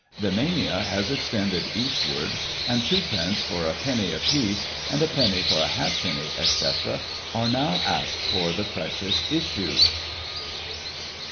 The mania has extended east ward, and twopence for a penny piece, and a penny for a halfpenny, etc., are now asked for the ' precious issue.'